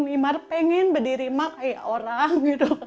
imar ingin berdiri ma seperti orang